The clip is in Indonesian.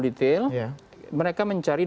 detail mereka mencari